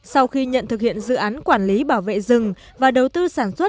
sau khi nhận thực hiện dự án quản lý bảo vệ rừng và đầu tư